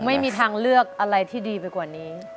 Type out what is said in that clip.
ไม่มีทางเลือกอะไรที่ดีไปกว่านี้